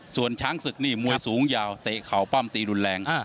ส่วนช้างศึกนี่มวยสูงยาวเตะเข่าปั้มตีรุนแรง